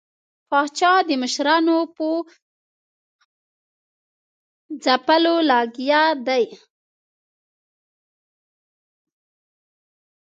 پاچا د مشرانو په ځپلو لګیا دی.